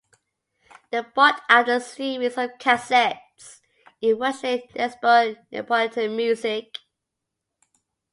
They brought out a series of cassettes, in which they explored Neapolitan music.